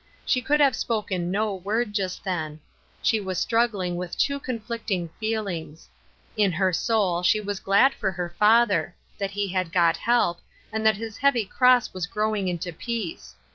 She could have spoken no word just then. She was struggling with two conflicting feelings. In her soul she was glad for her father; that he had got help, and that his heavy cross was growing into peace.